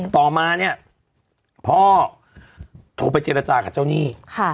ต่อมาเนี่ยพ่อโทรไปเจรจากับเจ้าหนี้